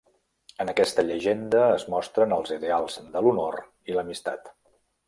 En aquesta llegenda es mostren els ideals de l'honor i l'amistat.